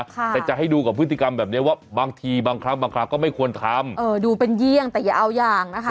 แต่จะให้ดูกับพฤติกรรมแบบนี้ว่าบางทีบางครั้งบางครั้งก็ไม่ควรทำเออดูเป็นเยี่ยงแต่อย่าเอาอย่างนะคะ